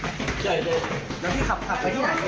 แล้วพี่ขับขับไปที่ไหนสิ